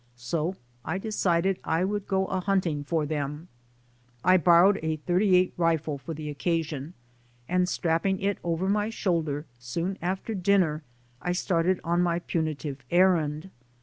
So I decided I would go a hunting for them. I bor rowed a .38 rifle for the occasion, and strapping it over my shoulder, soon after dinner I started on my punitive errand.